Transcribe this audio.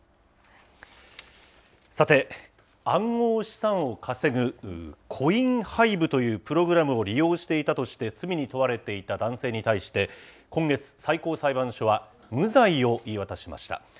さて、暗号資産を稼ぐコインハイブというプログラムを利用していたとして罪に問われていた男性に対して、今月、最高裁判所は無罪を言い渡しました。